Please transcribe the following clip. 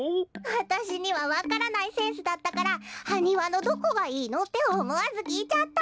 わたしにはわからないセンスだったから「ハニワのどこがいいの？」っておもわずきいちゃった。